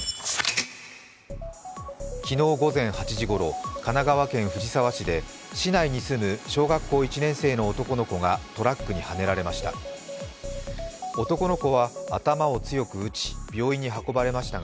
昨日午前８時ごろ神奈川県藤沢市で市内に住む小学校１年生の男の子がトラックにはねられました。